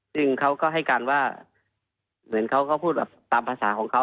ซึ่งเขาก็ให้การว่าเหมือนเขาก็พูดแบบตามภาษาของเขา